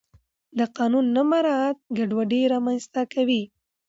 د قانون نه مراعت ګډوډي رامنځته کوي